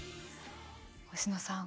星野さん